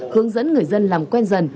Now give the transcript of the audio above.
hướng dẫn người dân làm quen dần